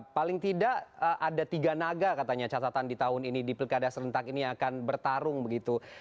paling tidak ada tiga naga katanya catatan di tahun ini di pilkada serentak ini akan bertarung begitu